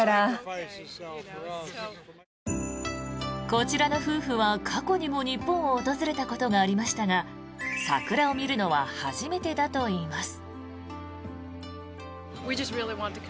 こちらの夫婦は過去にも日本を訪れたことがありましたが桜を見るのは初めてだといいます。